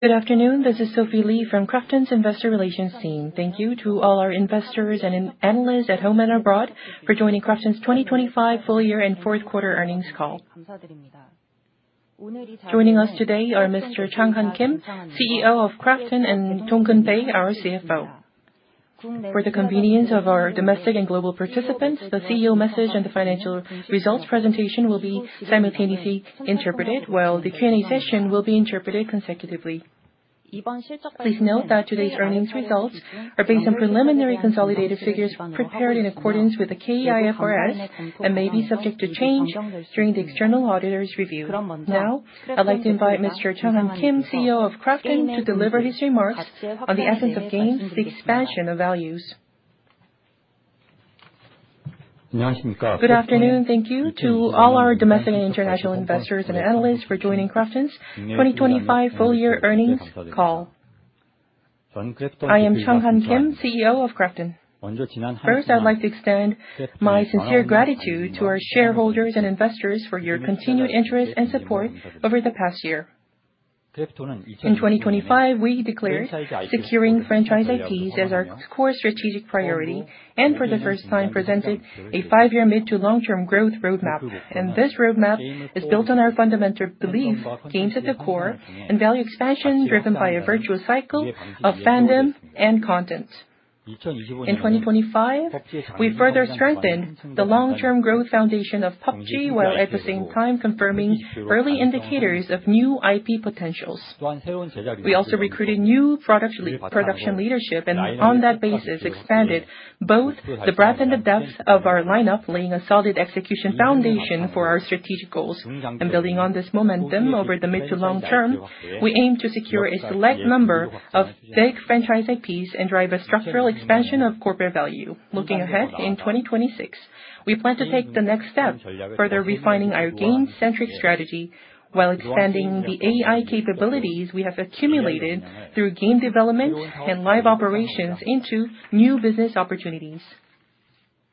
Good afternoon. This is Sophie Lee from KRAFTON's Investor Relations team. Thank you to all our investors and analysts at home and abroad for joining KRAFTON's 2025 full year and fourth quarter earnings call. Joining us today are Mr. Chang Han Kim, CEO of KRAFTON, and Dongkeun Bae, our CFO. For the convenience of our domestic and global participants, the CEO message and the financial results presentation will be simultaneously interpreted, while the Q&A session will be interpreted consecutively. Please note that today's earnings results are based on preliminary consolidated figures prepared in accordance with the K-IFRS, and may be subject to change during the external auditor's review. Now, I'd like to invite Mr. Chang Han Kim, CEO of KRAFTON, to deliver his remarks on the essence of games, the expansion of values. Good afternoon. Thank you to all our domestic and international investors and analysts for joining KRAFTON's 2025 Full Year earnings call. I am Changhan Kim, CEO of KRAFTON. First, I'd like to extend my sincere gratitude to our shareholders and investors for your continued interest and support over the past year. In 2025, we declared securing franchise IPs as our core strategic priority, and for the first time presented a five-year mid- to long-term growth roadmap. This roadmap is built on our fundamental belief, games at the core, and value expansion driven by a virtual cycle of fandom and content. In 2025, we further strengthened the long-term growth foundation of PUBG, while investing time confirming early indicators of new IP potentials. We also recruited new production leadership, and on that basis, expanded both the breadth and the depth of our lineup, laying a solid execution foundation for our strategic goals. Building on this momentum over the mid to long term, we aim to secure a select number of big franchise IPs and drive a structural expansion of corporate value. Looking ahead, in 2026, we plan to take the next step, further refining our game-centric strategy, while expanding the AI capabilities we have accumulated through game development and live operations into new business opportunities.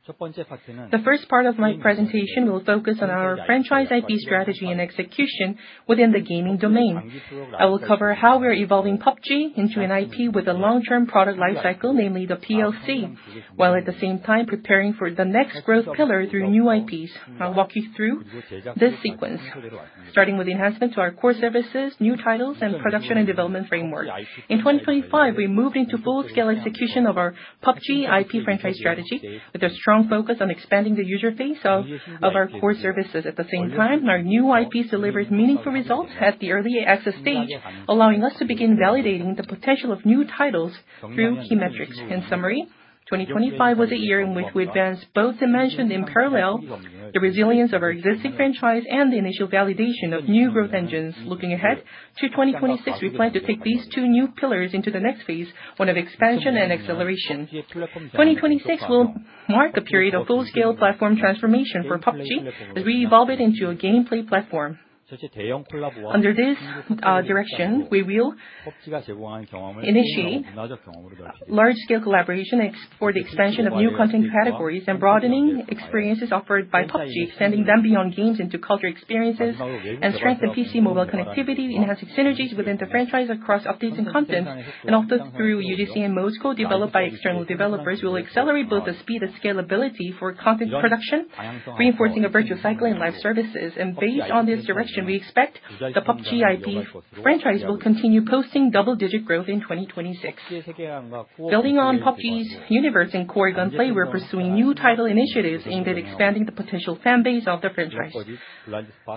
The first part of my presentation will focus on our franchise IP strategy and execution within the gaming domain. I will cover how we are evolving PUBG into an IP with a long-term product life cycle, namely the PLC, while at the same time preparing for the next growth pillar through new IPs. I'll walk you through this sequence, starting with the enhancement to our core services, new titles, and production and development framework. In 2025, we moved into full-scale execution of our PUBG IP franchise strategy, with a strong focus on expanding the user base of our core services. At the same time, our new IPs delivered meaningful results at the early access stage, allowing us to begin validating the potential of new titles through key metrics. In summary, 2025 was a year in which we advanced both dimensions in parallel, the resilience of our existing franchise and the initial validation of new growth engines. Looking ahead to 2026, we plan to take these two new pillars into the next phase, one of expansion and acceleration. 2026 will mark a period of full-scale platform transformation for PUBG, as we evolve it into a gameplay platform. Under this direction, we will initiate large-scale collaboration for the expansion of new content categories and broadening experiences offered by PUBG, extending them beyond games into cultural experiences, and strengthen PC mobile connectivity, enhancing synergies within the franchise across updates and content. And also through UGC and modes co-developed by external developers, we will accelerate both the speed and scalability for content production, reinforcing a virtual cycle in live services. And based on this direction, we expect the PUBG IP franchise will continue posting double-digit growth in 2026. Building on PUBG's universe and core gunplay, we're pursuing new title initiatives aimed at expanding the potential fan base of the franchise.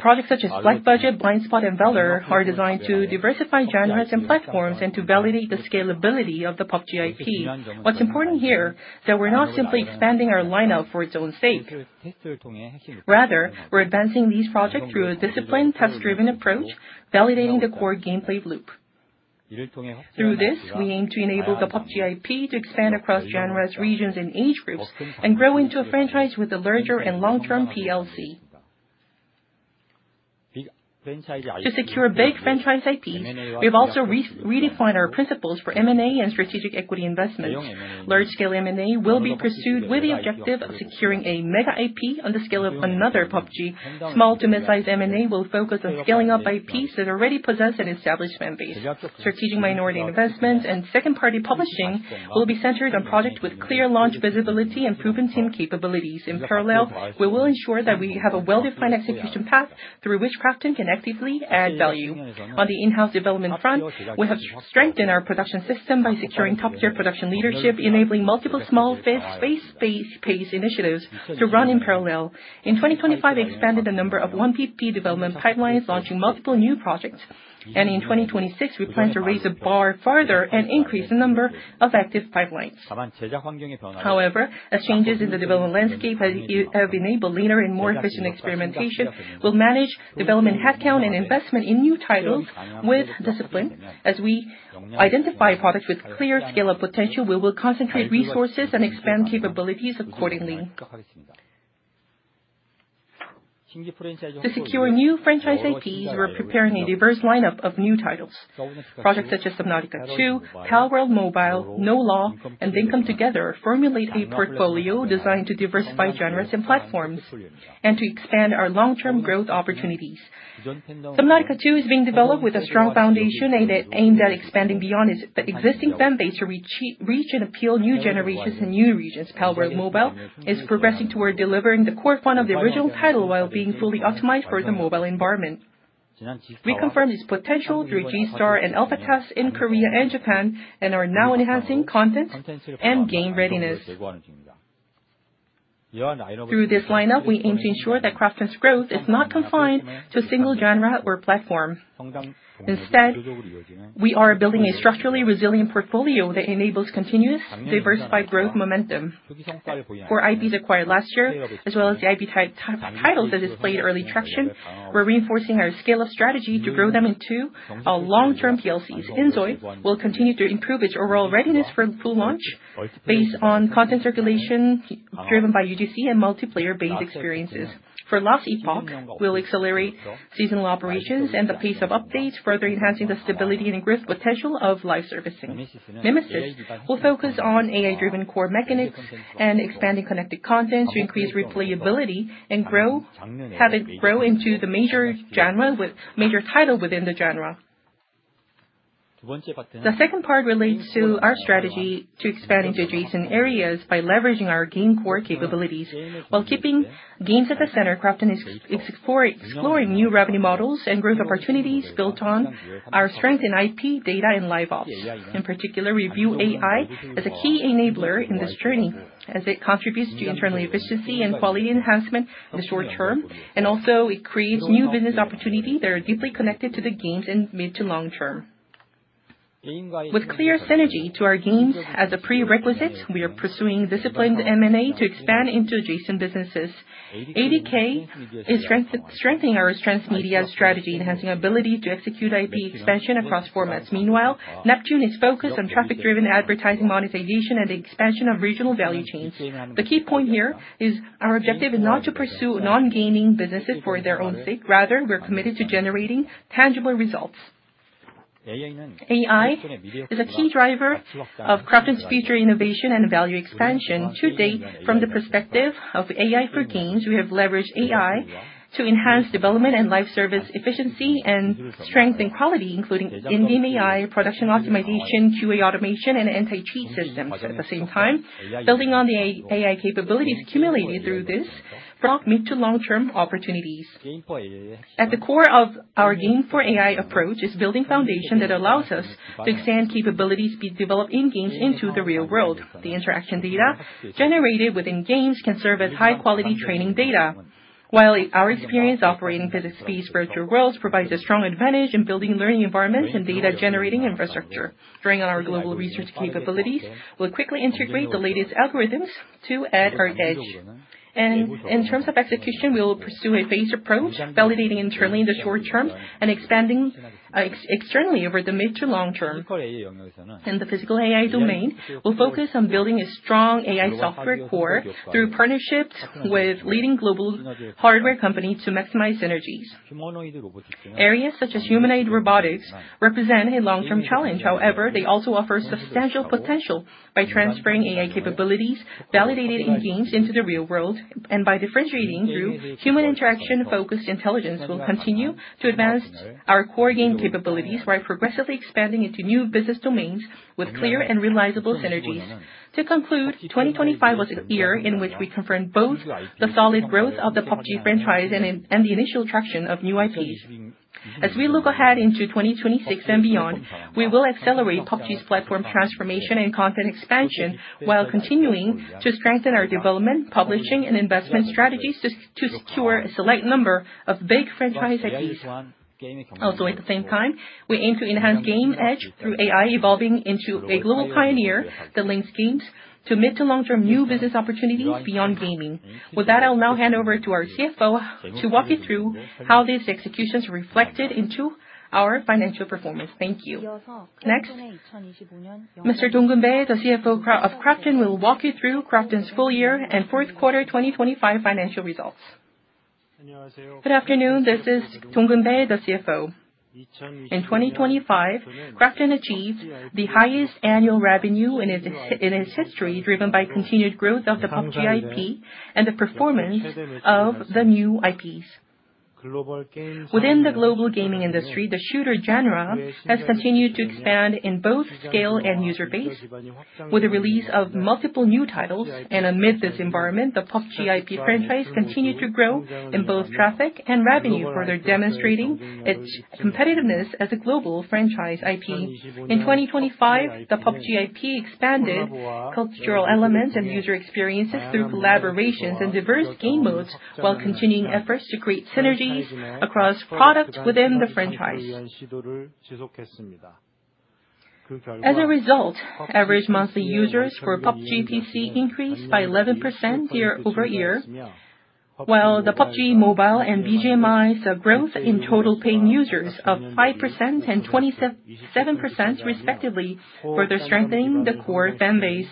Projects such as Black Budget, Blindspot, and Valor are designed to diversify genres and platforms, and to validate the scalability of the PUBG IP. What's important here is that we're not simply expanding our lineup for its own sake. Rather, we're advancing these projects through a disciplined, test-driven approach, validating the core gameplay loop. Through this, we aim to enable the PUBG IP to expand across genres, regions, and age groups, and grow into a franchise with a larger and long-term PLC. To secure big franchise IPs, we have also redefined our principles for M&A and strategic equity investments. Large-scale M&A will be pursued with the objective of securing a mega IP on the scale of another PUBG. Small to mid-sized M&A will focus on scaling up IPs that already possess an established fan base. Strategic minority investment and second-party publishing will be centered on product with clear launch visibility and proven team capabilities. In parallel, we will ensure that we have a well-defined execution path through which KRAFTON can actively add value. On the in-house development front, we have strengthened our production system by securing top-tier production leadership, enabling multiple small, fast-paced initiatives to run in parallel. In 2025, we expanded the number of 1PP development pipelines, launching multiple new projects, and in 2026, we plan to raise the bar farther and increase the number of active pipelines. However, as changes in the development landscape have enabled leaner and more efficient experimentation, we'll manage development headcount and investment in new titles with discipline. As we identify a product with clear scale-up potential, we will concentrate resources and expand capabilities accordingly.... To secure new franchise IPs, we're preparing a diverse lineup of new titles. Projects such as Subnautica 2, Palworld Mobile, No Law, and Dinkum Together formulate a portfolio designed to diversify genres and platforms, and to expand our long-term growth opportunities. Subnautica 2 is being developed with a strong foundation, and it aimed at expanding beyond its existing fan base to reach and appeal new generations and new regions. Palworld Mobile is progressing toward delivering the core fun of the original title, while being fully optimized for the mobile environment. We confirmed its potential through G-STAR and alpha tests in Korea and Japan, and are now enhancing content and game readiness. Through this lineup, we aim to ensure that KRAFTON's growth is not confined to a single genre or platform. Instead, we are building a structurally resilient portfolio that enables continuous, diversified growth momentum. For IPs acquired last year, as well as the IP titles that displayed early traction, we're reinforcing our scale-up strategy to grow them into our long-term PLCs. inZOI will continue to improve its overall readiness for full launch based on content circulation, driven by UGC and multiplayer-based experiences. For Last Epoch, we'll accelerate seasonal operations and the pace of updates, further enhancing the stability and growth potential of live servicing. Mimesis will focus on AI-driven core mechanics and expanding connected content to increase replayability and have it grow into the major genre with major title within the genre. The second part relates to our strategy to expand into adjacent areas by leveraging our game core capabilities. While keeping games at the center, KRAFTON is exploring new revenue models and growth opportunities built on our strength in IP, data, and LiveOps. In particular, we view AI as a key enabler in this journey, as it contributes to internal efficiency and quality enhancement in the short term, and also it creates new business opportunity that are deeply connected to the games in mid to long term. With clear synergy to our games as a prerequisite, we are pursuing disciplined M&A to expand into adjacent businesses. ADK is strengthening our transmedia strategy, enhancing ability to execute IP expansion across formats. Meanwhile, Neptune is focused on traffic-driven advertising, monetization, and the expansion of regional value chains. The key point here is our objective is not to pursue non-gaming businesses for their own sake. Rather, we're committed to generating tangible results. AI is a key driver of KRAFTON's future innovation and value expansion. To date, from the perspective of AI for games, we have leveraged AI to enhance development and live service efficiency and strength and quality, including in-game AI, production optimization, QA automation, and anti-cheat systems. At the same time, building on the AI capabilities accumulated through this, from mid- to long-term opportunities. At the core of our game for AI approach is building foundation that allows us to extend capabilities being developed in games into the real world. The interaction data generated within games can serve as high-quality training data, while our experience operating physical space virtual worlds provides a strong advantage in building learning environments and data-generating infrastructure. Drawing on our global research capabilities, we'll quickly integrate the latest algorithms to add our edge. And in terms of execution, we will pursue a phased approach, validating internally in the short term and expanding externally over the mid to long term. In the physical AI domain, we'll focus on building a strong AI software core through partnerships with leading global hardware companies to maximize synergies. Areas such as humanoid robotics represent a long-term challenge. However, they also offer substantial potential by transferring AI capabilities validated in games into the real world, and by differentiating through human interaction-focused intelligence. We'll continue to advance our core game capabilities while progressively expanding into new business domains with clear and realizable synergies. To conclude, 2025 was a year in which we confirmed both the solid growth of the PUBG franchise and the initial traction of new IPs. As we look ahead into 2026 and beyond, we will accelerate PUBG's platform transformation and content expansion, while continuing to strengthen our development, publishing, and investment strategies to secure a select number of big franchise IPs. Also, at the same time, we aim to enhance game edge through AI, evolving into a global pioneer that links games to mid- to long-term new business opportunities beyond gaming. With that, I'll now hand over to our CFO to walk you through how these executions reflected into our financial performance. Thank you. Next, Mr. Dongkeun Bae, the CFO of KRAFTON, will walk you through KRAFTON's full year and fourth quarter 2025 financial results. Good afternoon, this is Dongkeun Bae, the CFO. In 2025, KRAFTON achieved the highest annual revenue in its, in its history, driven by continued growth of the PUBG IP and the performance of the new IPs. Within the global gaming industry, the shooter genre has continued to expand in both scale and user base. With the release of multiple new titles, and amid this environment, the PUBG IP franchise continued to grow in both traffic and revenue, further demonstrating its competitiveness as a global franchise IP. In 2025, the PUBG IP expanded cultural elements and user experiences through collaborations and diverse game modes, while continuing efforts to create synergies across products within the franchise. As a result, average monthly users for PUBG PC increased by 11% year-over-year, while the PUBG Mobile and BGMI saw growth in total paying users of 5% and 27% respectively, further strengthening the core fan base.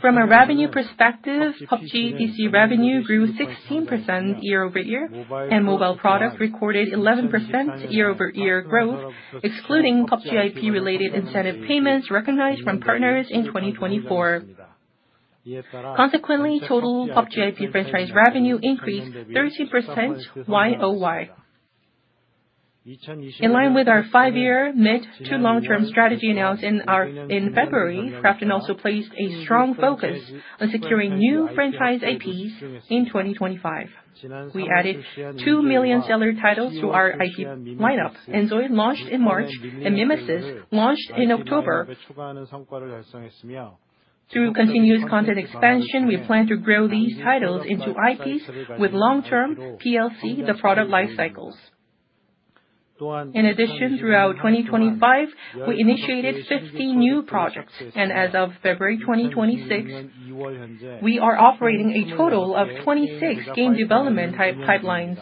From a revenue perspective, PUBG PC revenue grew 16% year-over-year, and mobile product recorded 11% year-over-year growth, excluding PUBG IP related incentive payments recognized from partners in 2024. Consequently, total PUBG IP franchise revenue increased 13% year-over-year. In line with our five-year mid- to long-term strategy announced in February, KRAFTON also placed a strong focus on securing new franchise IPs in 2025. We added two million-seller titles to our IP lineup, and inZOI launched in March, and Mimesis launched in October. Through continuous content expansion, we plan to grow these titles into IPs with long-term PLC, the product life cycles. In addition, throughout 2025, we initiated 50 new projects, and as of February 2026, we are operating a total of 26 game development pipelines.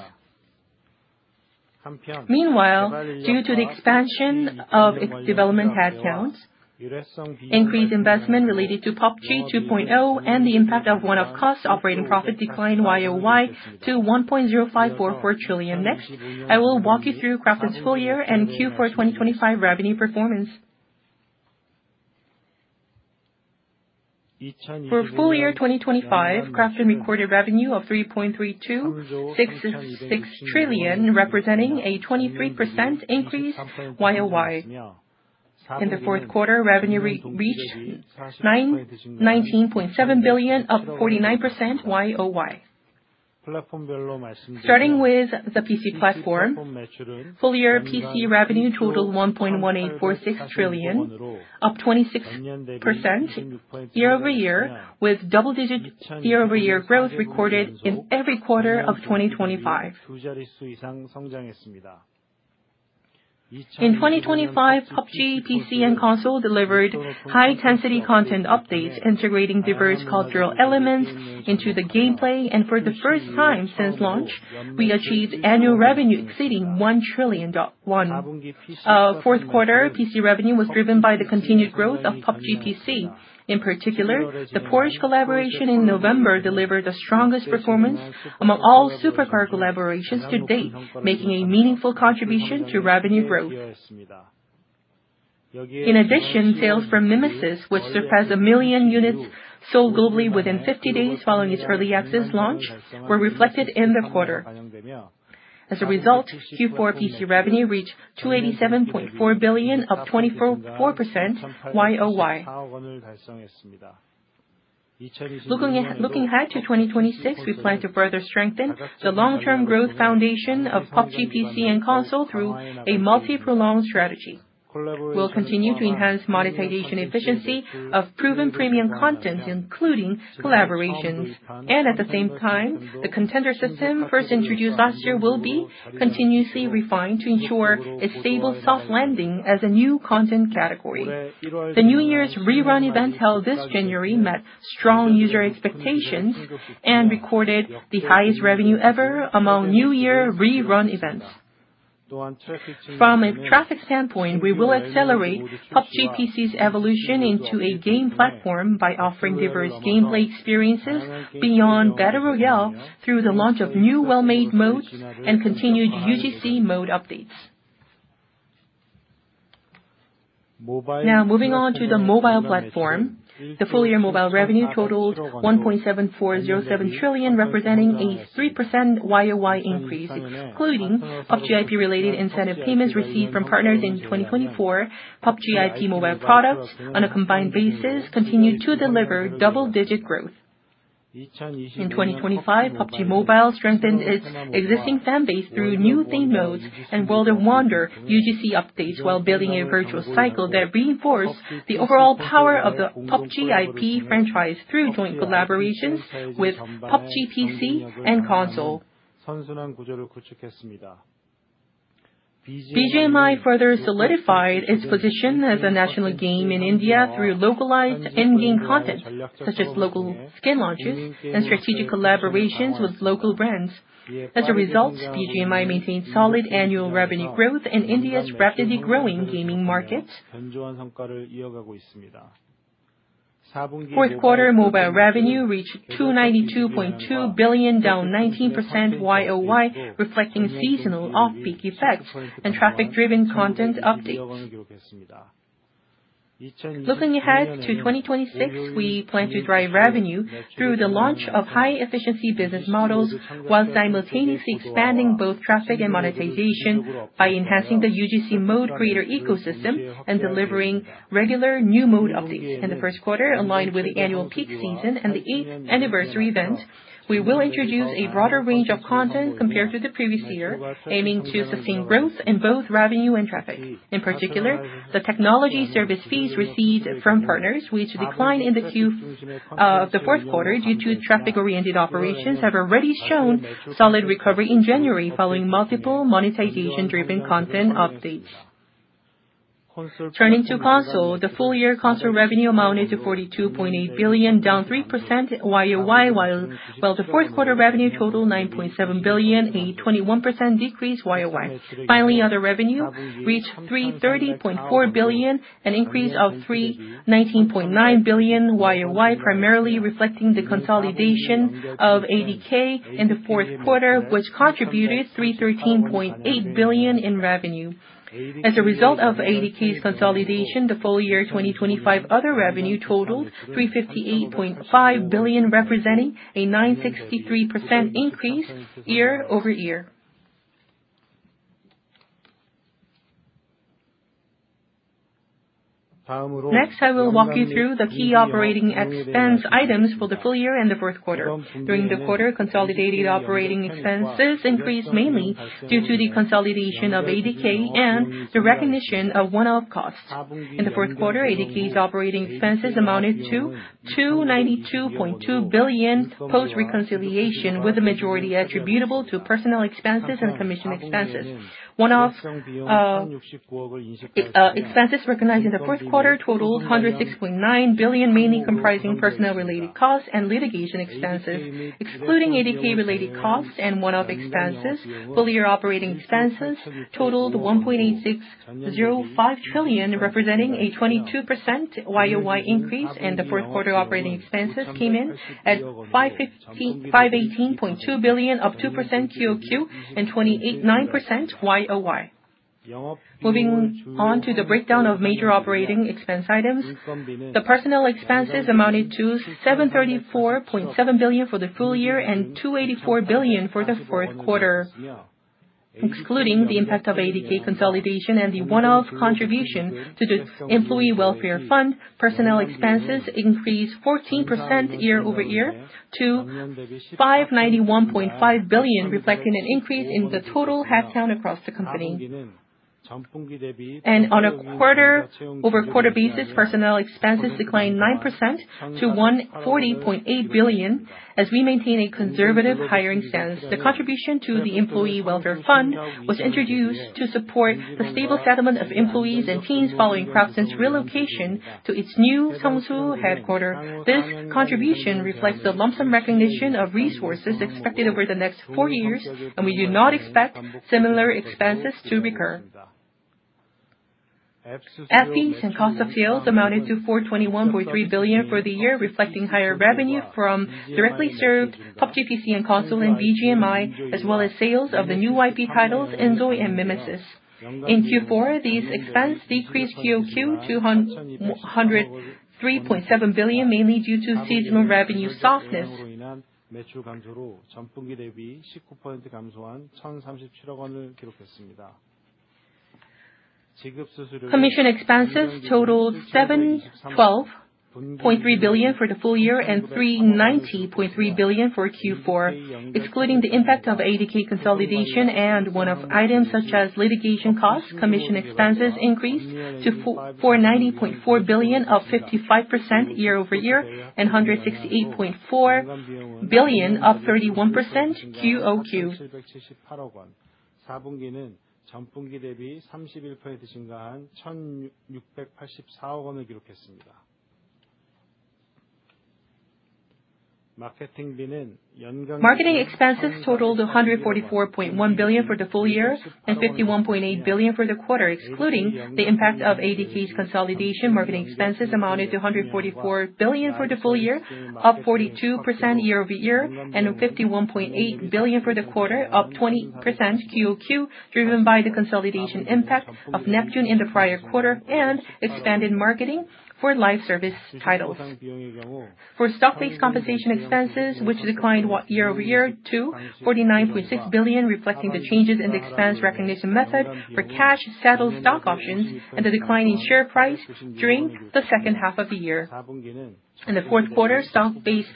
Meanwhile, due to the expansion of its development headcounts, increased investment related to PUBG 2.0, and the impact of one-off costs, operating profit declined Y-o-Y to 1.0544 trillion. Next, I will walk you through KRAFTON's full year and Q4 2025 revenue performance. For full year 2025, KRAFTON recorded revenue of 3.3266 trillion, representing a 23% increase Y-o-Y. In the fourth quarter, revenue reached 19.7 billion, up 49% Y-o-Y. Starting with the PC platform, full-year PC revenue totaled 1.1846 trillion, up 26% year-over-year, with double-digit year-over-year growth recorded in every quarter of 2025. In 2025, PUBG PC and console delivered high-intensity content updates, integrating diverse cultural elements into the gameplay. For the first time since launch, we achieved annual revenue exceeding KRW 1 trillion. Fourth quarter PC revenue was driven by the continued growth of PUBG PC. In particular, the Porsche collaboration in November delivered the strongest performance among all supercar collaborations to date, making a meaningful contribution to revenue growth. In addition, sales from Mimesis, which surpassed 1 million units sold globally within 50 days following its early access launch, were reflected in the quarter. As a result, Q4 PC revenue reached 287.4 billion, up 24.4% Y-o-Y. Looking ahead to 2026, we plan to further strengthen the long-term growth foundation of PUBG PC and console through a multi-prolonged strategy. We'll continue to enhance monetization efficiency of proven premium content, including collaborations, and at the same time, the contender system, first introduced last year, will be continuously refined to ensure a stable soft landing as a new content category. The New Year's rerun event held this January met strong user expectations and recorded the highest revenue ever among New Year rerun events. From a traffic standpoint, we will accelerate PUBG PC's evolution into a game platform by offering diverse gameplay experiences beyond Battle Royale through the launch of new well-made modes and continued UGC mode updates. Now, moving on to the mobile platform. The full year mobile revenue totals 1.7407 trillion, representing a 3% year-over-year increase, including PUBG IP-related incentive payments received from partners in 2024. PUBG IP mobile products, on a combined basis, continued to deliver double-digit growth. In 2025, PUBG MOBILE strengthened its existing fan base through new themed modes and World of Wonder UGC updates, while building a virtual cycle that reinforced the overall power of the PUBG IP franchise through joint collaborations with PUBG PC and console. BGMI further solidified its position as a national game in India through localized in-game content, such as local skin launches and strategic collaborations with local brands. As a result, BGMI maintained solid annual revenue growth in India's rapidly growing gaming market. Fourth quarter mobile revenue reached 292.2 billion, down 19% year-over-year, reflecting seasonal off-peak effects and traffic-driven content updates. Looking ahead to 2026, we plan to drive revenue through the launch of high-efficiency business models, while simultaneously expanding both traffic and monetization by enhancing the UGC mode creator ecosystem and delivering regular new mode updates. In the first quarter, aligned with the annual peak season and the eighth anniversary event, we will introduce a broader range of content compared to the previous year, aiming to sustain growth in both revenue and traffic. In particular, the technology service fees received from partners, which declined in the Q, the fourth quarter due to traffic-oriented operations, have already shown solid recovery in January following multiple monetization-driven content updates.... Turning to console, the full year console revenue amounted to 42.8 billion, down 3% YOY, while the fourth quarter revenue totaled 9.7 billion, a 21% decrease YOY. Finally, other revenue reached 330.4 billion, an increase of 319.9 billion YOY, primarily reflecting the consolidation of ADK in the fourth quarter, which contributed 313.8 billion in revenue. As a result of ADK's consolidation, the full year 2025 other revenue totaled 358.5 billion, representing a 963% increase year-over-year. Next, I will walk you through the key operating expense items for the full year and the fourth quarter. During the quarter, consolidated operating expenses increased mainly due to the consolidation of ADK and the recognition of one-off costs. In the fourth quarter, ADK's operating expenses amounted to 292.2 billion post-reconciliation, with the majority attributable to personnel expenses and commission expenses. One-off expenses recognized in the fourth quarter totaled 106.9 billion, mainly comprising personnel-related costs and litigation expenses. Excluding ADK-related costs and one-off expenses, full year operating expenses totaled 1.8605 trillion, representing a 22% YOY increase, and the fourth quarter operating expenses came in at 515-518.2 billion, up 2% QoQ, and 28.9% YOY. Moving on to the breakdown of major operating expense items, the personnel expenses amounted to 734.7 billion for the full year and 284 billion for the fourth quarter. Excluding the impact of ADK consolidation and the one-off contribution to the employee welfare fund, personnel expenses increased 14% year-over-year to 591.5 billion, reflecting an increase in the total headcount across the company. On a quarter-over-quarter basis, personnel expenses declined 9% to 140.8 billion as we maintain a conservative hiring stance. The contribution to the employee welfare fund was introduced to support the stable settlement of employees and teams following KRAFTON's relocation to its new Seongsu headquarters. This contribution reflects the lump sum recognition of resources expected over the next four years, and we do not expect similar expenses to recur. Fees and cost of sales amounted to 421.3 billion for the year, reflecting higher revenue from directly served PUBG PC and console in BGMI, as well as sales of the new IP titles, inZOI and Mimesis. In Q4, these expenses decreased QoQ to 103.7 billion, mainly due to seasonal revenue softness. Commission expenses totaled 712.3 billion for the full year and 390.3 billion for Q4. Excluding the impact of ADK consolidation and one-off items, such as litigation costs, commission expenses increased to 490.4 billion, up 55% year-over-year, and 168.4 billion, up 31% quarter-over-quarter. Marketing expenses totaled 144.1 billion for the full year and 51.8 billion for the quarter, excluding the impact of ADK's consolidation. Marketing expenses amounted to 144 billion for the full year, up 42% year-over-year, and 51.8 billion for the quarter, up 20% quarter-over-quarter, driven by the consolidation impact of Neptune in the prior quarter and expanded marketing for live service titles. For stock-based compensation expenses, which declined what? Year-over-year to 49.6 billion, reflecting the changes in the expense recognition method for cash settled stock options and the decline in share price during the second half of the year. In the fourth quarter, stock-based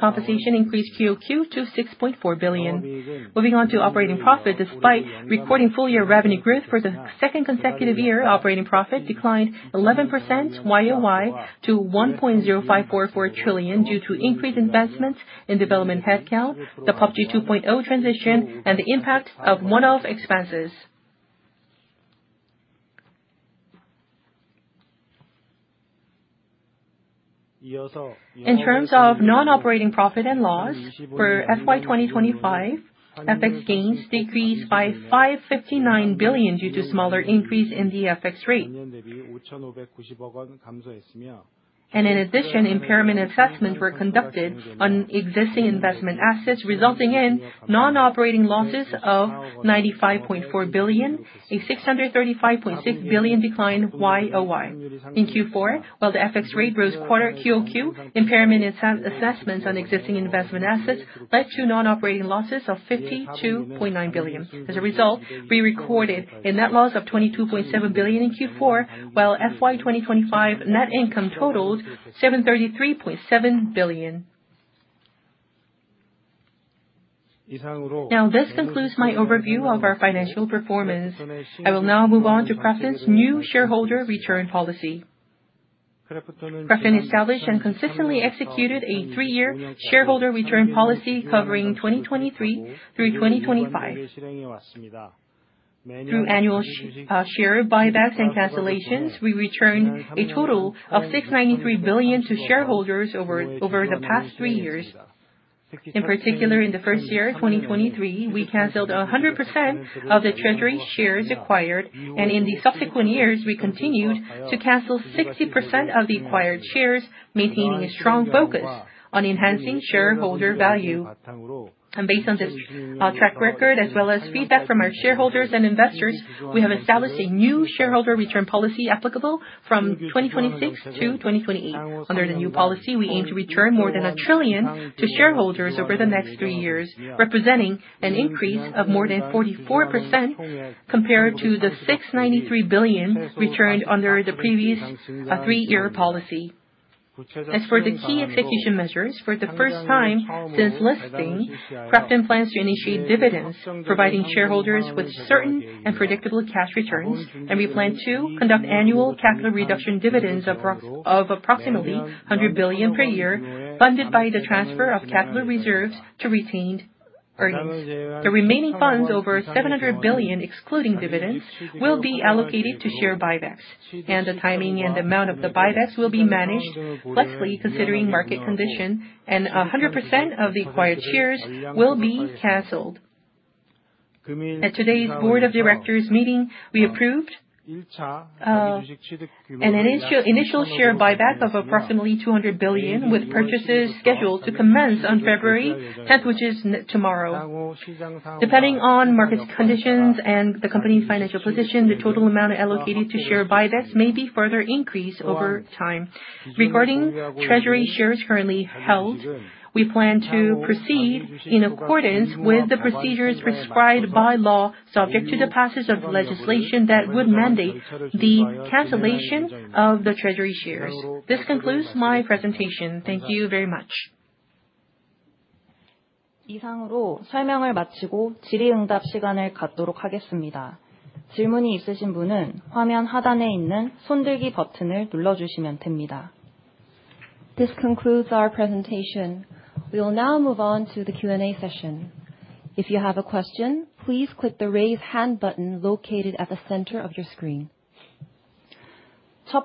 compensation increased QoQ to 6.4 billion. Moving on to operating profit, despite recording full year revenue growth for the second consecutive year, operating profit declined 11% YOY to 1.0544 trillion due to increased investments in development headcount, the PUBG 2.0 transition, and the impact of one-off expenses. In terms of non-operating profit and loss for FY 2025, FX gains decreased by 559 billion due to smaller increase in the FX rate. In addition, impairment assessments were conducted on existing investment assets, resulting in non-operating losses of 95.4 billion, a 635.6 billion decline YOY. In Q4, while the FX rate rose quarter QoQ, impairment assessments on existing investment assets led to non-operating losses of 52.9 billion. As a result, we recorded a net loss of 22.7 billion in Q4, while FY 2025 net income totaled 733.7 billion. Now, this concludes my overview of our financial performance. I will now move on to KRAFTON's new shareholder return policy. KRAFTON established and consistently executed a three-year shareholder return policy covering 2023 through 2025. Through annual share buybacks and cancellations, we returned a total of 693 billion to shareholders over the past three years. In particular, in the first year, 2023, we canceled 100% of the treasury shares acquired, and in the subsequent years, we continued to cancel 60% of the acquired shares, maintaining a strong focus on enhancing shareholder value. And based on this track record, as well as feedback from our shareholders and investors, we have established a new shareholder return policy applicable from 2026-2028. Under the new policy, we aim to return more than 1 trillion to shareholders over the next three years, representing an increase of more than 44% compared to the 693 billion returned under the previous three-year policy. As for the key execution measures, for the first time since listing, KRAFTON plans to initiate dividends, providing shareholders with certain and predictable cash returns, and we plan to conduct annual capital reduction dividends of approximately 100 billion per year, funded by the transfer of capital reserves to retained earnings. The remaining funds, over 700 billion, excluding dividends, will be allocated to share buybacks, and the timing and amount of the buybacks will be managed flexibly considering market condition, and 100% of the acquired shares will be canceled. At today's Board of Directors meeting, we approved an initial share buyback of approximately 200 billion, with purchases scheduled to commence on February tenth, which is tomorrow. Depending on market conditions and the company's financial position, the total amount allocated to share buybacks may be further increased over time. Regarding treasury shares currently held, we plan to proceed in accordance with the procedures prescribed by law, subject to the passage of legislation that would mandate the cancellation of the treasury shares. This concludes my presentation. Thank you very much. This concludes our presentation. We will now move on to the Q&A session. If you have a question, please click the Raise Hand button located at the center of your screen. We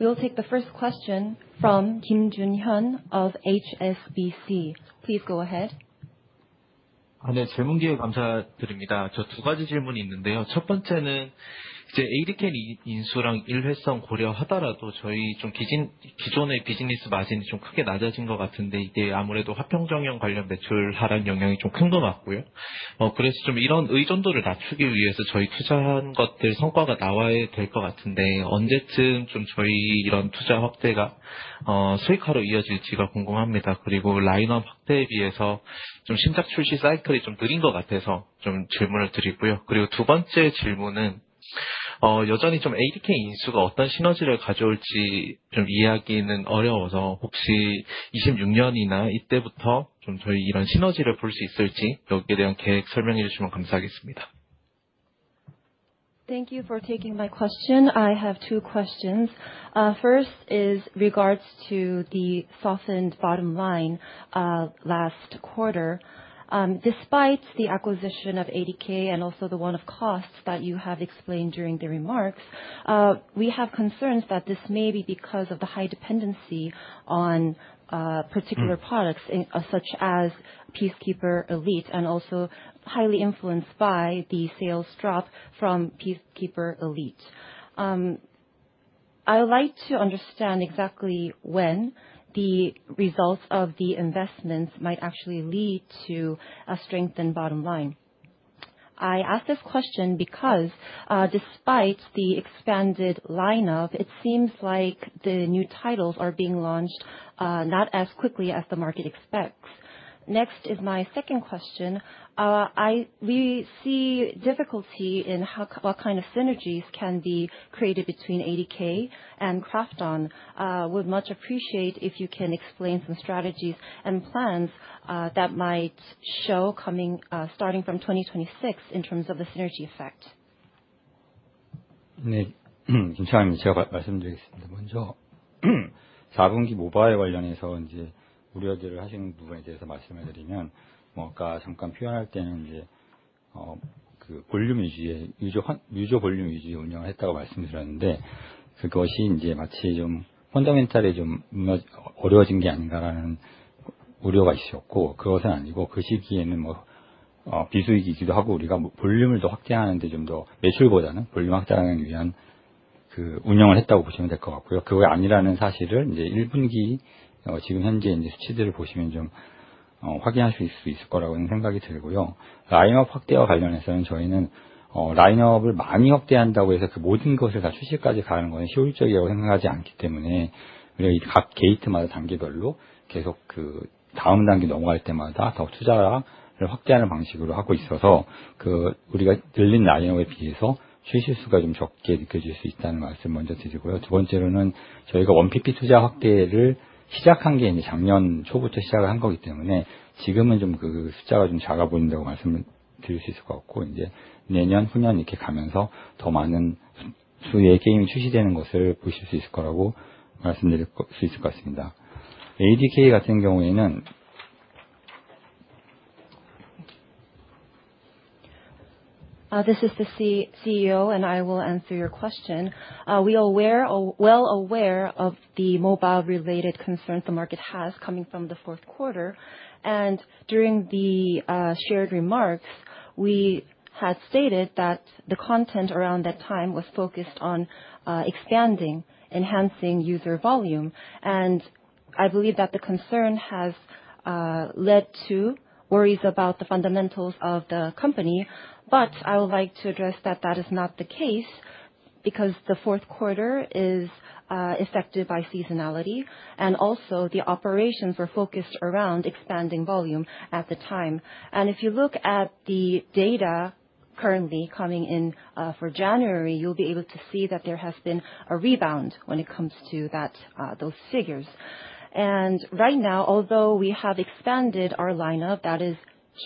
will take the first question from Jun Hyun Kim of HSBC. Please go ahead. Thank you for taking my question. I have two questions. First is regards to the softened bottom line last quarter. Despite the acquisition of ADK and also the one-off costs that you have explained during the remarks, we have concerns that this may be because of the high dependency on particular products such as Peacekeeper Elite, and also highly influenced by the sales drop from Peacekeeper Elite. I would like to understand exactly when the results of the investments might actually lead to a strengthened bottom line. I ask this question because, despite the expanded lineup, it seems like the new titles are being launched not as quickly as the market expects. Next is my second question. We see difficulty in how what kind of synergies can be created between ADK and KRAFTON. Would much appreciate if you can explain some strategies and plans that might show coming, starting from 2026, in terms of the synergy effect. Yes. Kim Changhan, I will answer first. Regarding the fourth quarter mobile, to address the concerns you raised, when I expressed it earlier, I said that we operated to maintain the volume, maintain the user volume, but that did not mean that the fundamentals had become difficult. It was not that. At that time, it was off-season, and we focused more on increasing volume rather than revenue. You could think of it as operating for volume expansion. The fact that it is not that can be confirmed if you look at the figures for the first quarter as of now. Regarding the expansion of the lineup, we do not think that expanding the lineup a lot and launching everything is efficient, because as we move from one gate to the next stage, we are expanding our investments. So compared to the increased lineup, the number of launches may seem low. Secondly, we started expanding our 1PP investment at the beginning of last year, so the number may look small now, but as we move into next year and the year after, we will be able to see more results.... 주요 게임이 출시되는 것을 보실 수 있을 거라고 말씀드릴 수 있을 것 같습니다. ADK 같은 경우에는 This is the CEO, and I will answer your question. We are well aware of the mobile-related concerns the market has coming from the fourth quarter. And during the shared remarks, we had stated that the content around that time was focused on expanding, enhancing user volume. And I believe that the concern has led to worries about the fundamentals of the company. But I would like to address that that is not the case, because the fourth quarter is affected by seasonality, and also the operations were focused around expanding volume at the time. And if you look at the data currently coming in for January, you'll be able to see that there has been a rebound when it comes to that, those figures. Right now, although we have expanded our lineup, that is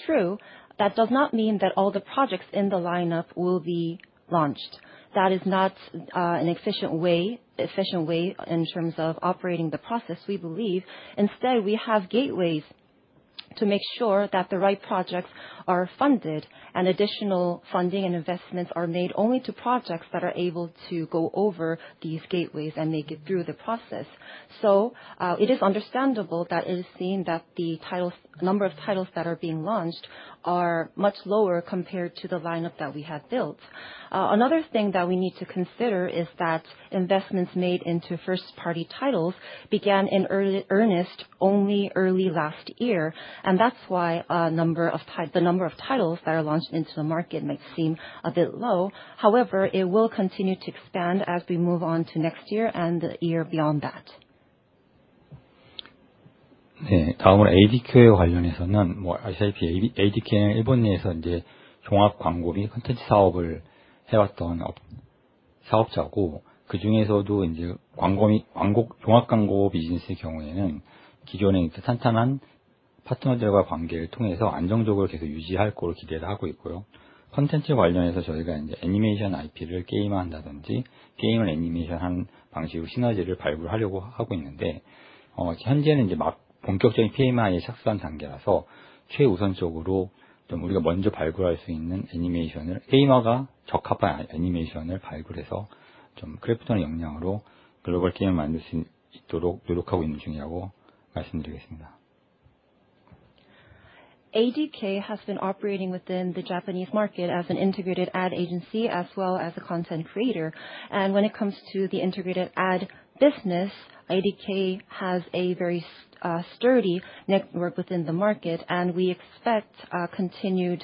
true, that does not mean that all the projects in the lineup will be launched. That is not an efficient way, efficient way in terms of operating the process, we believe. Instead, we have gateways to make sure that the right projects are funded and additional funding and investments are made only to projects that are able to go over these gateways and make it through the process. So, it is understandable that it is seen that the titles, number of titles that are being launched are much lower compared to the lineup that we had built. Another thing that we need to consider is that investments made into first-party titles began in early earnest only early last year, and that's why the number of titles that are launched into the market might seem a bit low. However, it will continue to expand as we move on to next year and the year beyond that. 네, 다음으로 ADK 관련해서는, ADK는 일본 내에서 이제 종합 광고 및 콘텐츠 사업을 해왔던 사업자고, 그중에서도 이제 광고, 종합 광고 비즈니스의 경우에는 기존에 이제 탄탄한 파트너들과 관계를 통해서 안정적으로 계속 유지할 걸 기대를 하고 있고요. 콘텐츠 관련해서 저희가 이제 애니메이션 IP를 게임화한다든지, 게임을 애니메이션하는 방식으로 시너지를 발굴하려고 하고 있는데, 현재는 이제 막 본격적인 PMI에 착수한 단계라서, 최우선적으로 좀 우리가 먼저 발굴할 수 있는 애니메이션을, 게임화가 적합한 애니메이션을 발굴해서, 좀 KRAFTON의 역량으로 글로벌 게임을 만들 수 있도록 노력하고 있는 중이라고 말씀드리겠습니다. ADK has been operating within the Japanese market as an integrated ad agency as well as a content creator. When it comes to the integrated ad business, ADK has a very sturdy network within the market, and we expect continued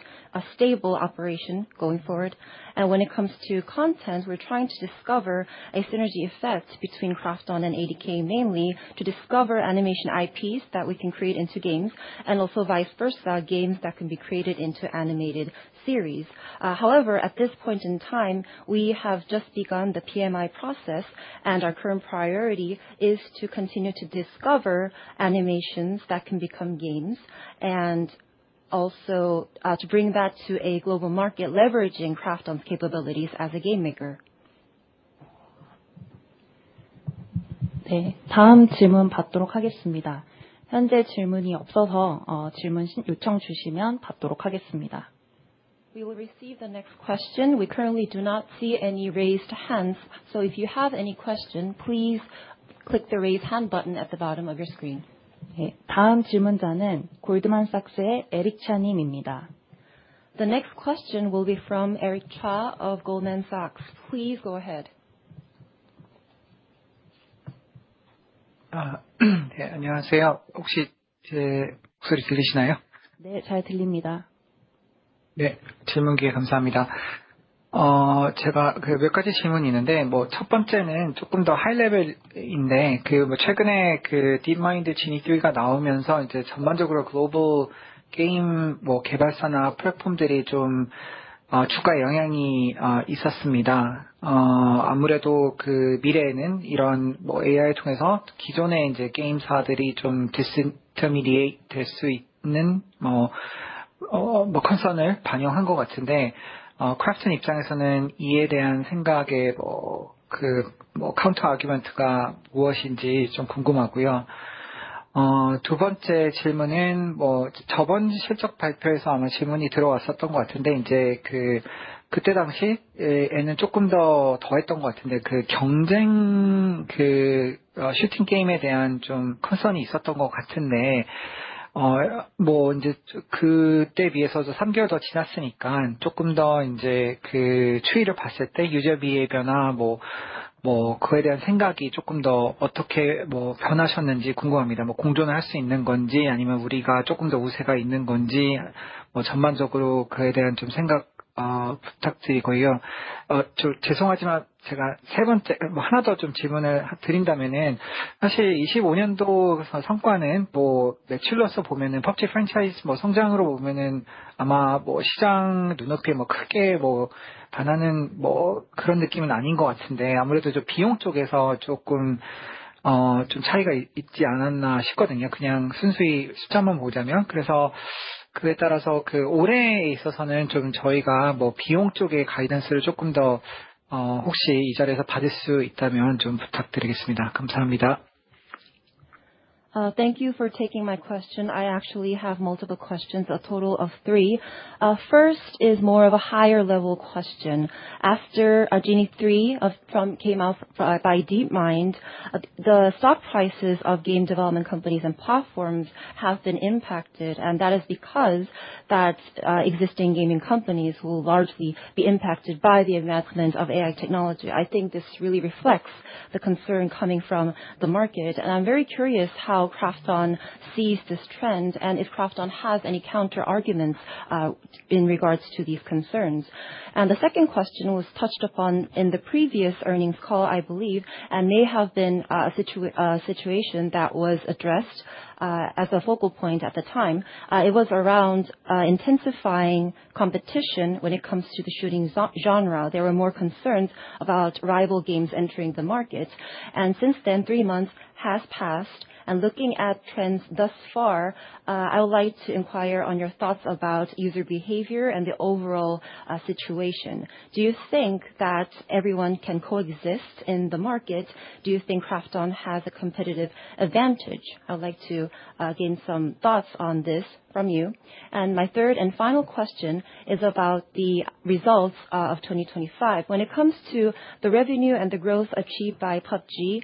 stable operation going forward. When it comes to content, we're trying to discover a synergy effect between Krafton and ADK, mainly to discover animation IPs that we can create into games, and also vice versa, games that can be created into animated series. However, at this point in time, we have just begun the PMI process, and our current priority is to continue to discover animations that can become games, and also to bring that to a global market, leveraging Krafton's capabilities as a game maker. 네, 다음 질문 받도록 하겠습니다. 현재 질문이 없어서, 질문 요청 주시면 받도록 하겠습니다. We will receive the next question. We currently do not see any raised hands, so if you have any question, please click the Raise Hand button at the bottom of your screen. questioner is Eric Cha from Goldman Sachs. The next question will be from Eric Cha of Goldman Sachs. Please go ahead. 네, 안녕하세요? 혹시 제 목소리 들리시나요? 네, 잘 들립니다. 네, 질문 기회 감사합니다. 제가 그몇 가지 질문이 있는데, 뭐, 첫 번째는 조금 더 하이 레벨인데, 그 최근에 그 DeepMind Genie가 나오면서 이제 전반적으로 글로벌 게임, 뭐, 개발사나 플랫폼들이 좀, 추가 영향이 있었습니다. 아무래도 그 미래에는 이런, 뭐, AI를 통해서 기존의 이제 게임사들이 좀 disintermediate 될수 있는, 뭐, 뭐, concern을 반영한 것 같은데, KRAFTON 입장에서는 이에 대한 생각에, 뭐, 그, 뭐, counter argument가 무엇인지 좀 궁금하고요. 두 번째 질문은, 뭐, 저번 실적 발표에서 아마 질문이 들어왔었던 것 같은데, 이제 그, 그때 당시에는 조금 더 더했던 것 같은데, 그 경쟁, 그, 슈팅 게임에 대한 좀 concern이 있었던 것 같은데, 뭐, 이제 그때에 비해서도 3개월 더 지났으니까 조금 더 이제 그 추이를 봤을 때, 유저 비의 변화, 뭐, 뭐, 그거에 대한 생각이 조금 더 어떻게, 뭐, 변하셨는지 궁금합니다. 공존할 수 있는 건지, 아니면 우리가 조금 더 우세가 있는 건지, 전반적으로 그에 대한 생각 부탁드리고요. 저, 죄송하지만 제가 세 번째 하나 더 질문을 드린다면 사실 25년도 성과는 매출로서 보면 PUBG 프랜차이즈 성장으로 보면 아마 시장 눈높이에 크게 다나는 그런 느낌은 아닌 것 같은데, 아무래도 비용 쪽에서 조금 차이가 있지 않았나 싶거든요, 그냥 순수히 숫자만 보자면. 그래서...... 그에 따라서 그 올해에 있어서는 좀 저희가 뭐 비용 쪽에 가이던스를 조금 더, 혹시 이 자리에서 받을 수 있다면 좀 부탁드리겠습니다. 감사합니다. Thank you for taking my question. I actually have multiple questions, a total of three. First is more of a higher level question. After Genie 3 from Google DeepMind came out, the stock prices of game development companies and platforms have been impacted, and that is because that existing gaming companies will largely be impacted by the advancement of AI technology. I think this really reflects the concern coming from the market, and I'm very curious how KRAFTON sees this trend and if KRAFTON has any counterarguments in regards to these concerns. And the second question was touched upon in the previous earnings call, I believe, and may have been a situation that was addressed as a focal point at the time. It was around intensifying competition when it comes to the shooting genre. There were more concerns about rival games entering the market, and since then, three months has passed, and looking at trends thus far, I would like to inquire on your thoughts about user behavior and the overall situation. Do you think that everyone can coexist in the market? Do you think KRAFTON has a competitive advantage? I would like to gain some thoughts on this from you. And my third and final question is about the results of 2025. When it comes to the revenue and the growth achieved by PUBG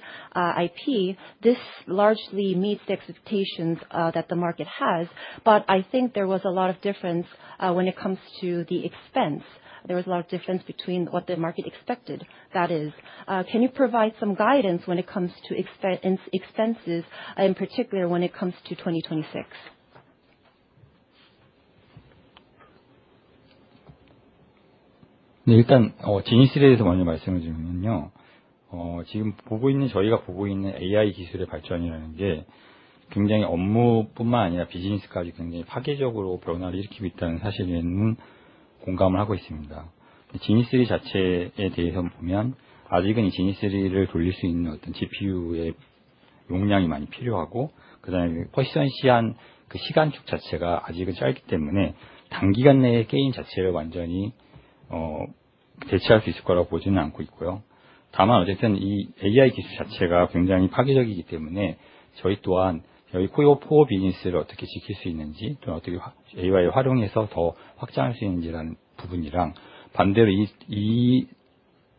IP, this largely meets the expectations that the market has, but I think there was a lot of difference when it comes to the expense. There was a lot of difference between what the market expected, that is. Can you provide some guidance when it comes to expenses, in particular when it comes to 2026? 네, 일단, Genie 3에 대해서 먼저 말씀을 드리면요. 지금 보고 있는, 저희가 보고 있는 AI 기술의 발전이라는 게 굉장히 업무뿐만 아니라 비즈니스까지 굉장히 파괴적으로 변화를 일으키고 있다는 사실에는 공감을 하고 있습니다. Genie 3 자체에 대해서 보면, 아직은 이 Genie 3를 돌릴 수 있는 어떤 GPU의 용량이 많이 필요하고, 그다음에 퍼시션시한 그 시간축 자체가 아직은 짧기 때문에 단기간 내에 게임 자체를 완전히, 대체할 수 있을 거라고 보지는 않고 있고요. 다만, 어쨌든 이 AI 기술 자체가 굉장히 파괴적이기 때문에, 저희 또한 여기 코어 포 비즈니스를 어떻게 지킬 수 있는지, 또 어떻게 AI를 활용해서 더 확장할 수 있는지라는 부분이랑, 반대로 이, 이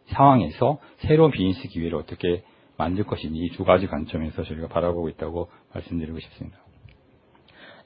상황에서 새로운 비즈니스 기회를 어떻게 만들 것인지, 이두 가지 관점에서 저희가 바라보고 있다고 말씀드리고 싶습니다.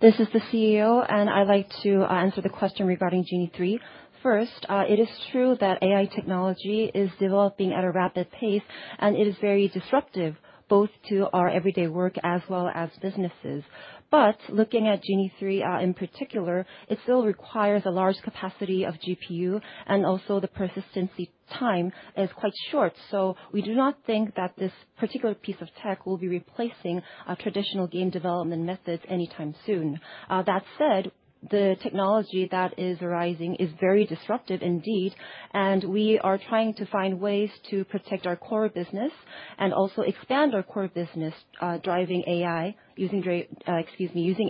This is the CEO, and I'd like to answer the question regarding Genie 3. First, it is true that AI technology is developing at a rapid pace, and it is very disruptive, both to our everyday work as well as businesses. But looking at Genie 3, in particular, it still requires a large capacity of GPU, and also the persistency time is quite short. So we do not think that this particular piece of tech will be replacing traditional game development methods anytime soon. That said, the technology that is arising is very disruptive indeed, and we are trying to find ways to protect our core business and also expand our core business, driving AI, using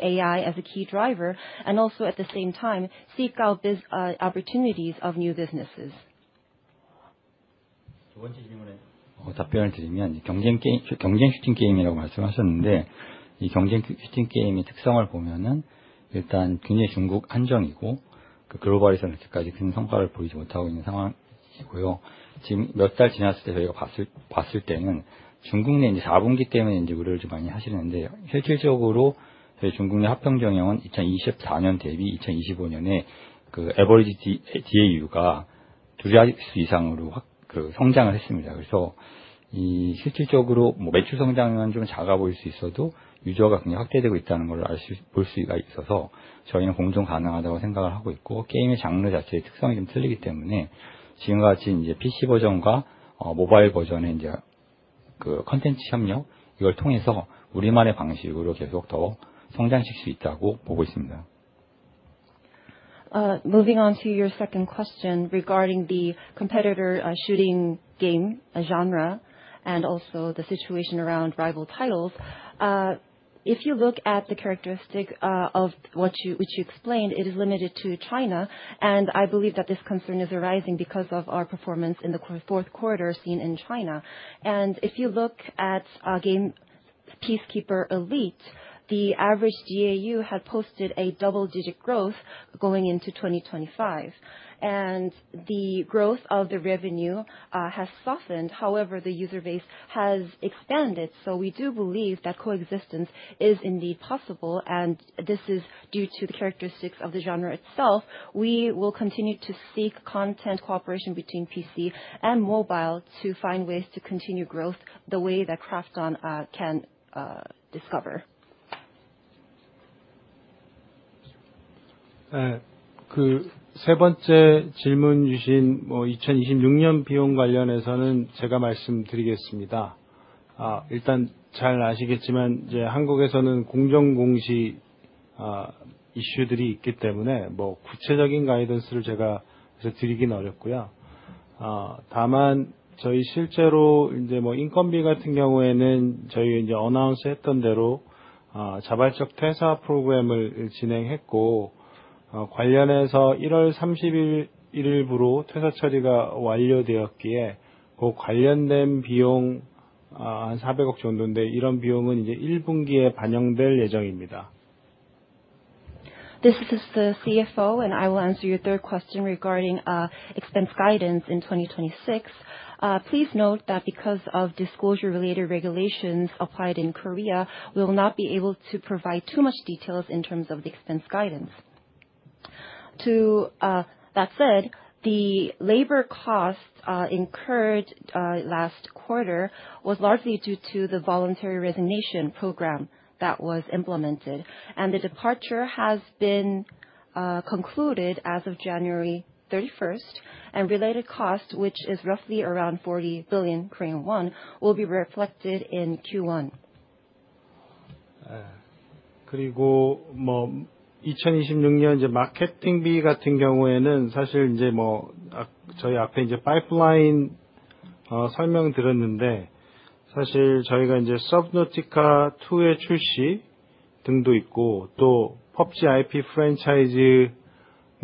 AI as a key driver, and also, at the same time, seek out business opportunities of new businesses. 답변을 드리면 경쟁 게임, 경쟁 슈팅 게임이라고 말씀하셨는데, 이 경쟁 슈팅 게임의 특성을 보면은 일단 굉장히 중국 한정이고, 그 글로벌에서는 아직까지 큰 성과를 보이지 못하고 있는 상황이고요. 지금 몇달 지났을 때 저희가 봤을 때는 중국 내 이제 사분기 때문에 이제 우려를 좀 많이 하시는데, 실질적으로 저희 중국 내 합병 경영은 2024년 대비 2025년에 그 average DAU가 두 자릿수 이상으로 그 성장을 했습니다. 그래서 이 실질적으로 뭐 매출 성장률은 좀 작아 보일 수 있어도, 유저가 굉장히 확대되고 있다는 것을 알수 있어서 저희는 공존 가능하다고 생각을 하고 있고, 게임의 장르 자체의 특성이 좀 틀리기 때문에, 지금까지 이제 PC 버전과, 모바일 버전의 이제, 그 콘텐츠 협력, 이걸 통해서 우리만의 방식으로 계속 더 성장하실 수 있다고 보고 있습니다. Moving on to your second question regarding the competitor shooting game genre, and also the situation around rival titles. If you look at the characteristic of what you, which you explained, it is limited to China, and I believe that this concern is arising because of our performance in the fourth quarter seen in China. If you look at game Peacekeeper Elite, the average GAU has posted a double-digit growth going into 2025. The growth of the revenue has softened. However, the user base has expanded, so we do believe that coexistence is indeed possible, and this is due to the characteristics of the genre itself. We will continue to seek content cooperation between PC and mobile to find ways to continue growth, the way that KRAFTON can discover. 그세 번째 질문 주신 2026년 비용 관련해서는 제가 말씀드리겠습니다. 일단 잘 아시겠지만, 이제 한국에서는 공정공시 이슈들이 있기 때문에 구체적인 가이던스를 제가 드리긴 어렵고요. 다만 저희 실제로 이제 인건비 같은 경우에는 저희 announce 했던 대로 자발적 퇴사 프로그램을 진행했고, 관련해서 1월 31일 1일부터 퇴사 처리가 완료되었기에, 그 관련된 비용 400 billion 정도인데, 이런 비용은 이제 1분기에 반영될 예정입니다. This is the CFO, and I will answer your third question regarding expense guidance in 2026. Please note that because of disclosure related regulations applied in Korea, we will not be able to provide too much details in terms of the expense guidance. That said, the labor costs incurred last quarter was largely due to the voluntary resignation program that was implemented, and the departure has been concluded as of January 31, and related costs, which is roughly around 40 billion Korean won, will be reflected in Q1. 네, 그리고 2026년 이제 마케팅비 같은 경우에는 사실 이제 저희 앞에 이제 파이프라인 설명드렸는데, 사실 저희가 이제 Subnautica 2의 출시 등도 있고, 또 PUBG IP Franchise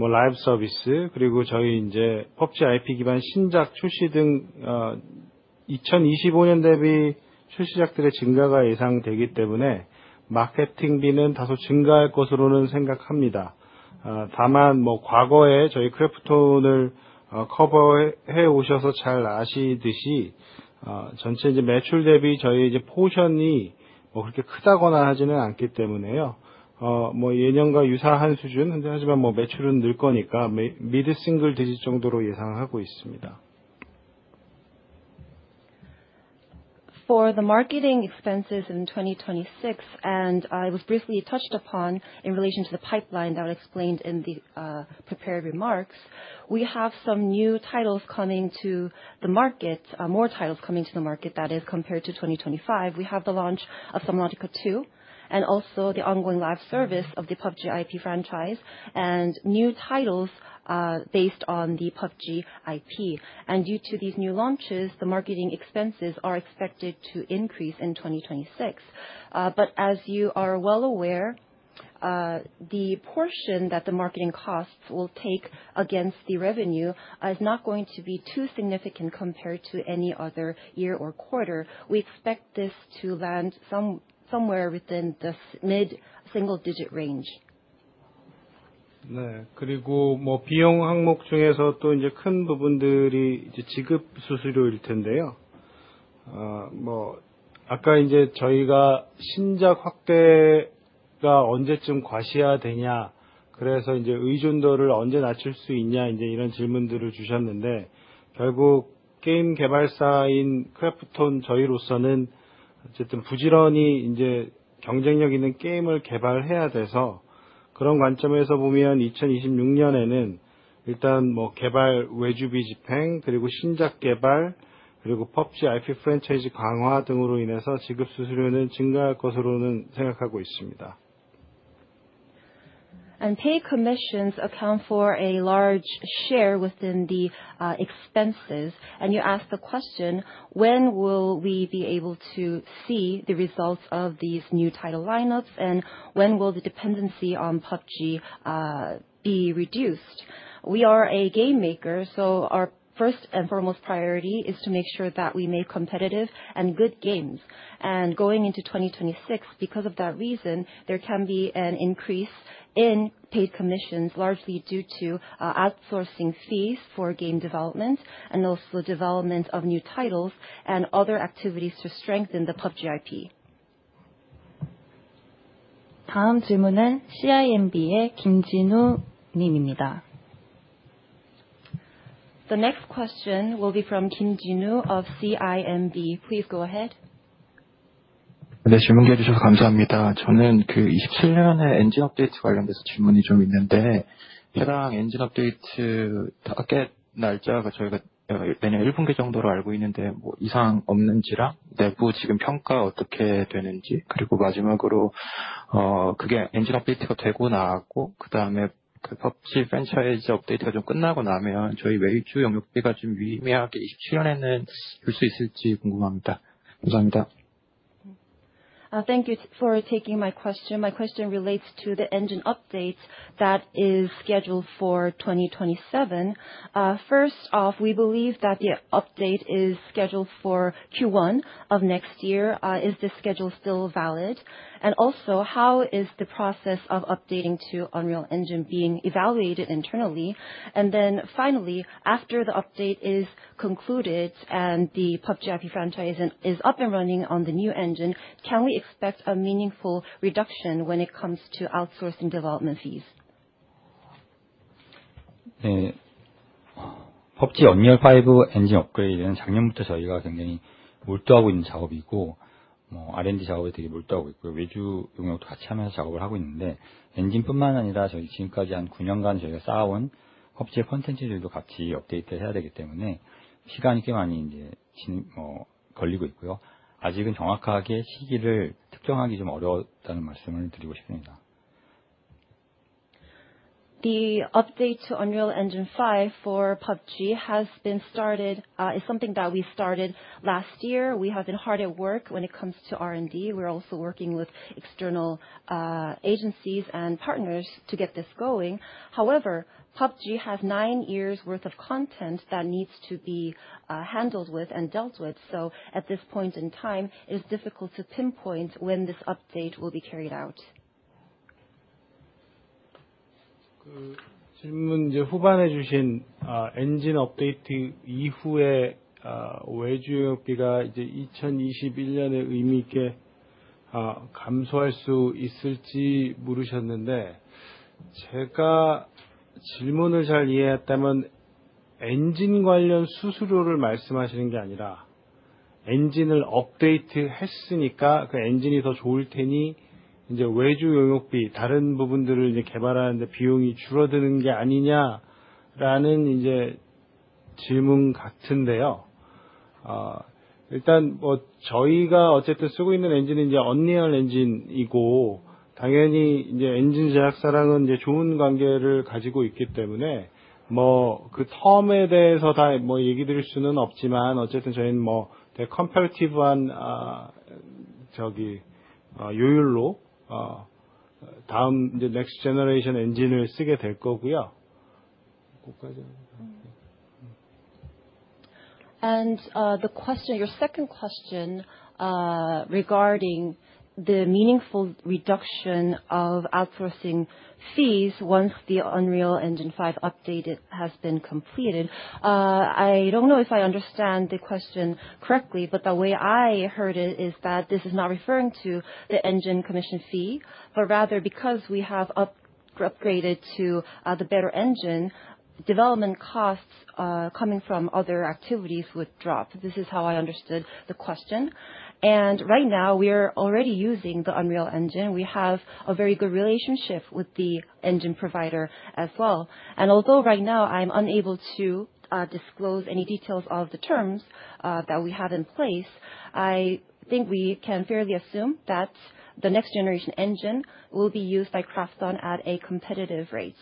Live 서비스, 그리고 저희 이제 PUBG IP 기반 신작 출시 등 2025년 대비 출시작들의 증가가 예상되기 때문에, 마케팅비는 다소 증가할 것으로는 생각합니다. 다만 과거에 저희 KRAFTON을 커버해 해오셔서 잘 아시듯이, 전체 이제 매출 대비 저희 이제 포션이 그렇게 크다거나 하지는 않기 때문에요. 예년과 유사한 수준, 하지만 매출은 늘 거니까, mid-single digit 정도로 예상을 하고 있습니다. For the marketing expenses in 2026, and it was briefly touched upon in relation to the pipeline that explained in the prepared remarks, we have some new titles coming to the market, more titles coming to the market, that is, compared to 2025. We have the launch of Subnautica 2, and also the ongoing live service of the PUBG IP franchise, and new titles based on the PUBG IP. Due to these new launches, the marketing expenses are expected to increase in 2026. But as you are well aware, the portion that the marketing costs will take against the revenue is not going to be too significant compared to any other year or quarter. We expect this to land somewhere within the mid-single digit range. 네, 그리고 비용 항목 중에서 또 이제 큰 부분들이 이제 지급 수수료일 텐데요. 아까 이제 저희가 신작 확대가 언제쯤 과시화되냐? 그래서 이제 의존도를 언제 낮출 수 있냐, 이제 이런 질문들을 주셨는데, 결국 게임 개발사인 크래프톤, 저희로서는 어쨌든 부지런히 이제 경쟁력 있는 게임을 개발해야 돼서, 그런 관점에서 보면 2026년에는 일단 개발, 외주비 집행, 그리고 신작 개발, 그리고 PUBG IP Franchise 강화 등으로 인해서 지급 수수료는 증가할 것으로 생각하고 있습니다. Pay commissions account for a large share within the expenses. You asked the question: When will we be able to see the results of these new title lineups? When will the dependency on PUBG be reduced? We are a game maker, so our first and foremost priority is to make sure that we make competitive and good games. Going into 2026, because of that reason, there can be an increase in paid commissions, largely due to outsourcing fees for game development and also development of new titles and other activities to strengthen the PUBG IP. Jinu Kim of CIMB. The next question will be from Jinu Kim of CIMB. Please go ahead. 네, 질문해 주셔서 감사합니다. 저는 그 2027년에 엔진 업데이트 관련돼서 질문이 좀 있는데, 해당 엔진 업데이트 타겟 날짜가 저희가, 내년 1분기 정도로 알고 있는데, 뭐 이상 없는지랑 내부 지금 평가 어떻게 되는지, 그리고 마지막으로, 그게 엔진 업데이트가 되고 나서 그다음에 그 PUBG Franchise 업데이트가 좀 끝나고 나면 저희 외주 영역대가 좀 명확히 출연해 볼수 있을지 궁금합니다. 감사합니다. Thank you for taking my question. My question relates to the engine updates that is scheduled for 2027. First off, we believe that the update is scheduled for Q1 of next year. Is this schedule still valid? And also, how is the process of updating to Unreal Engine being evaluated internally? And then finally, after the update is concluded and the PUBG IP Franchise is up and running on the new engine, can we expect a meaningful reduction when it comes to outsourcing development fees? 네, PUBG Unreal 5 engine 업그레이드는 작년부터 저희가 굉장히 몰두하고 있는 작업이고, 뭐 R&D 작업에 되게 몰두하고 있고요. 외주 영역도 같이 하면서 작업을 하고 있는데, 엔진뿐만 아니라 저희 지금까지 9년간 저희가 쌓아온 PUBG 콘텐츠들도 같이 업데이트를 해야 되기 때문에 시간이 꽤 많이 이제 걸리고 있고요. 아직은 정확하게 시기를 특정하기 좀 어려웠다는 말씀을 드리고 싶습니다. ...The update to Unreal Engine 5 for PUBG has been started, is something that we started last year. We have been hard at work when it comes to R&D. We're also working with external agencies and partners to get this going. However, PUBG has nine years worth of content that needs to be handled with and dealt with. So at this point in time, it's difficult to pinpoint when this update will be carried out. And the question, your second question, regarding the meaningful reduction of outsourcing fees once the Unreal Engine 5 update has been completed. I don't know if I understand the question correctly, but the way I heard it is that this is not referring to the engine commission fee, but rather because we have upgraded to the better engine, development costs coming from other activities would drop. This is how I understood the question, and right now, we are already using the Unreal Engine. We have a very good relationship with the engine provider as well. Although right now I'm unable to disclose any details of the terms that we have in place, I think we can fairly assume that the next generation engine will be used by KRAFTON at a competitive rate.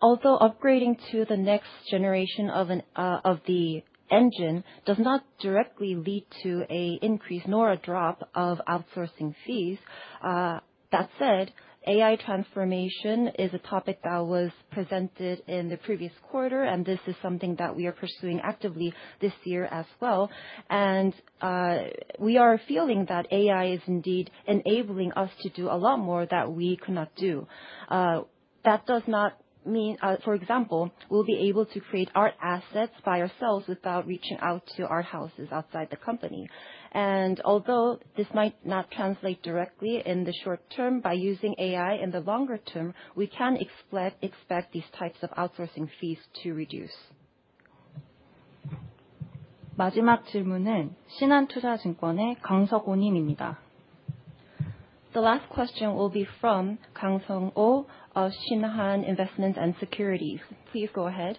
Although upgrading to the next generation of the engine does not directly lead to an increase nor a drop of outsourcing fees. That said, AI transformation is a topic that was presented in the previous quarter, and this is something that we are pursuing actively this year as well. We are feeling that AI is indeed enabling us to do a lot more that we could not do. That does not mean, for example, we'll be able to create art assets by ourselves without reaching out to art houses outside the company. And although this might not translate directly in the short term, by using AI in the longer term, we can expect these types of outsourcing fees to reduce. The last question will be from Seok-Oh Kang of Shinhan Investment Corp. Please go ahead.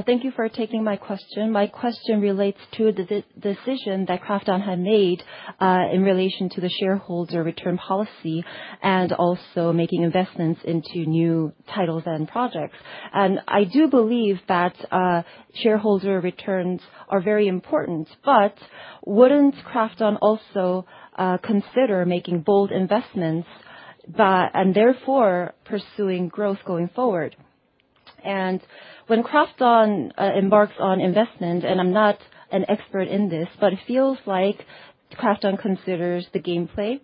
Thank you for taking my question. My question relates to the decision that KRAFTON had made, in relation to the shareholder return policy and also making investments into new titles and projects. And I do believe that, shareholder returns are very important, but wouldn't KRAFTON also, consider making bold investments that... and therefore pursuing growth going forward?... When KRAFTON embarks on investment, and I'm not an expert in this, but it feels like KRAFTON considers the gameplay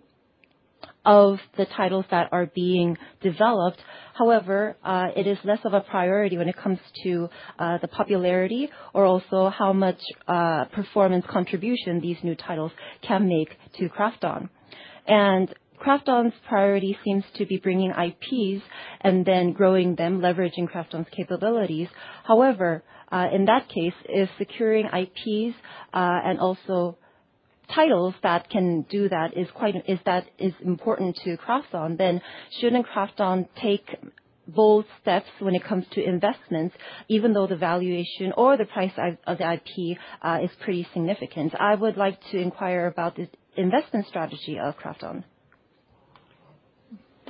of the titles that are being developed. However, it is less of a priority when it comes to the popularity or also how much performance contribution these new titles can make to KRAFTON. KRAFTON's priority seems to be bringing IPs and then growing them, leveraging KRAFTON's capabilities. However, in that case, if securing IPs and also titles that can do that, if that is important to KRAFTON, then shouldn't KRAFTON take bold steps when it comes to investments, even though the valuation or the price of the IP is pretty significant? I would like to inquire about this investment strategy of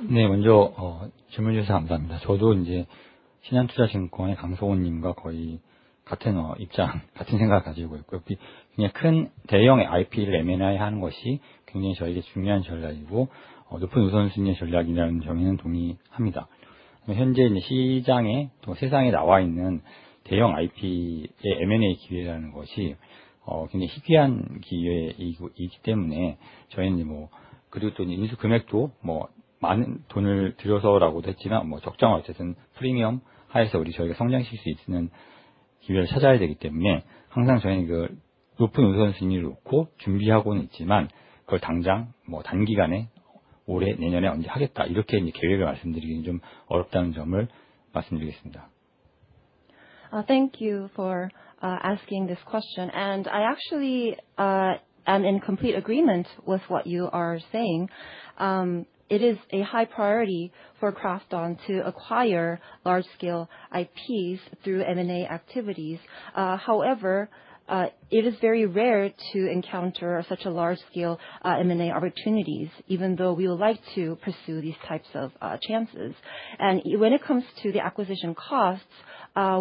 KRAFTON. Thank you for asking this question, and I actually am in complete agreement with what you are saying. It is a high priority for KRAFTON to acquire large-scale IPs through M&A activities. However, it is very rare to encounter such a large-scale M&A opportunities, even though we would like to pursue these types of chances. When it comes to the acquisition costs,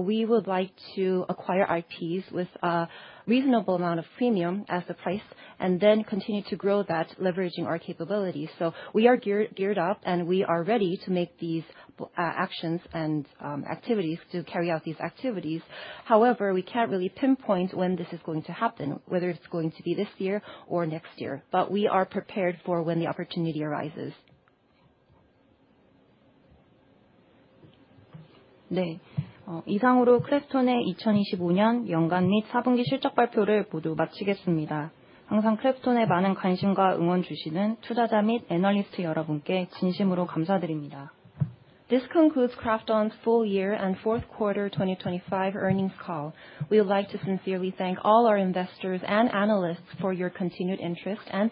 we would like to acquire IPs with a reasonable amount of premium as the price, and then continue to grow that, leveraging our capabilities. We are geared up, and we are ready to make these actions and activities, to carry out these activities. However, we can't really pinpoint when this is going to happen, whether it's going to be this year or next year, but we are prepared for when the opportunity arises. This concludes KRAFTON's Full Year and Fourth Quarter 2025 earnings call. We would like to sincerely thank all our investors and analysts for your continued interest and support.